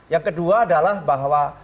yang kedua adalah bahwa